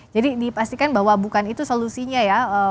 jadi dipastikan bahwa bukan itu solusinya ya